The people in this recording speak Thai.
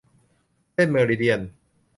เส้นเมอริเดียน